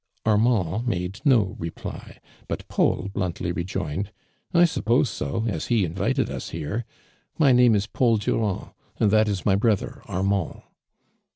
Armand made no rejily. but Paul bluntly rejoined :'* 1 supjjose so. as he invited u* here ! My name is Paul Durand, and that is my brother Armand."